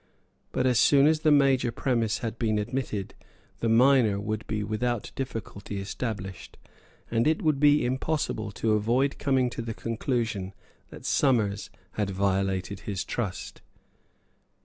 But, as soon as the major premise had been admitted, the minor would be without difficulty established; and it would be impossible to avoid coming to the conclusion that Somers had violated his trust.